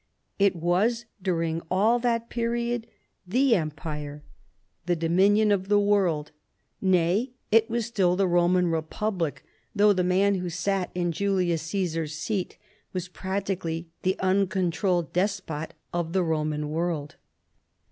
It was during all that period " the empire,^'' " the dominion of the 220 CHARLEMAGNE. world," nay, it was still the "Roman republic," thouo;h the man who sat in Julius Caesar's seat was practically the uncontrolled despot of the Roman world.